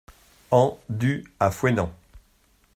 Hent Du à Fouesnant